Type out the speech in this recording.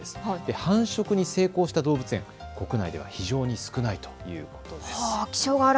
繁殖に成功した動物園、国内では非常に少ないということです。